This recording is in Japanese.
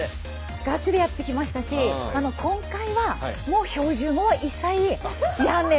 ガチでやってきましたし今回はもう標準語は一切やめで。